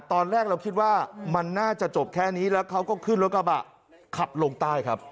ตอนแรกเราคิดว่ามันน่าจะจบแค่นี้แล้วเขาก็ขึ้นรถกระบะขับลงใต้ครับ